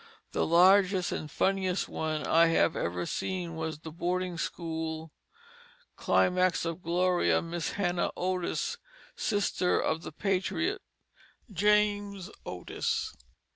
The largest and funniest one I have ever seen was the boarding school climax of glory of Miss Hannah Otis, sister of the patriot James Otis.